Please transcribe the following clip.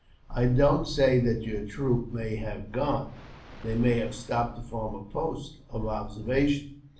I don't say that your troop may have gone. They may have stopped to form a post of observation."